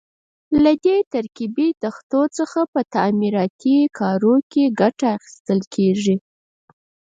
له دې ترکیبي تختو څخه په تعمیراتي کارونو کې ګټه اخیستل کېږي.